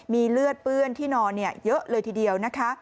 มีเลือดเปื้อนที่นอนเยอะเลยทีเดียวนะคะ